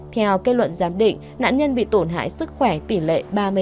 theo kết luận giám định nạn nhân bị tổn hại sức khỏe tỷ lệ ba mươi năm